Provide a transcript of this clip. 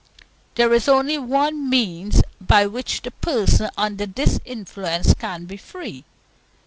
There is only one means by which the person under this influence can be free.